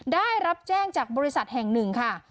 ได้รับแจ้งจากบริษัทแห่งหนึ่งค่ะ